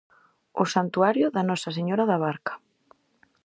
O santuario da Nosa Señora da Barca.